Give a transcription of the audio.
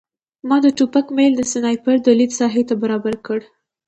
ما د ټوپک میل د سنایپر د لید ساحې ته برابر کړ